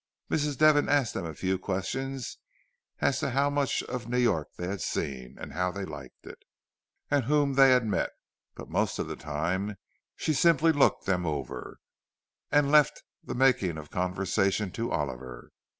Mrs. Devon asked them a few questions as to how much of New York they had seen, and how they liked it, and whom they had met; but most of the time she simply looked them over, and left the making of conversation to Oliver.